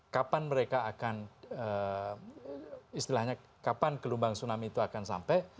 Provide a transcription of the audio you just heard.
kapan mereka akan istilahnya kapan gelombang tsunami itu akan sampai